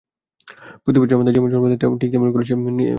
প্রতিবছর আমাদের যেমন জন্মদিন আসে, ঠিক তেমনি বছর ঘুরে আসে বাজেটও।